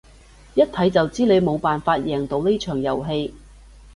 一睇就知你冇辦法贏到呢場遊戲